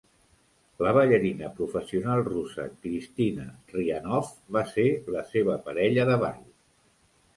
La ballarina professional russa Kristina Rihanoff va ser la seva parella de ball.